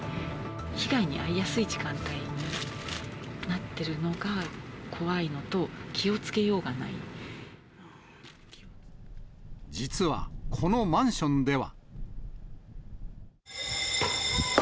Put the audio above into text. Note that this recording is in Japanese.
被害に遭いやすい時間帯になっているのが怖いのと、気をつけよう実は、このマンションでは。